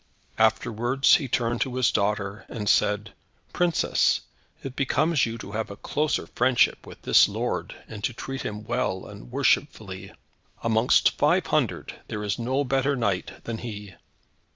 Afterwards he turned to his daughter, and said, "Princess, it becomes you to have a closer friendship with this lord, and to treat him well and worshipfully. Amongst five hundred, there is no better knight than he."